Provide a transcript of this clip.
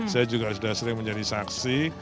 saya juga sudah sering menjadi saksi